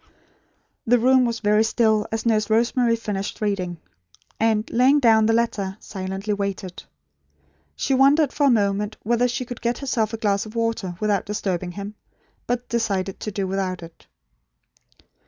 '" The room was very still, as Nurse Rosemary finished reading; and, laying down the letter, silently waited. She wondered for a moment whether she could get herself a glass of water, without disturbing him; but decided to do without it.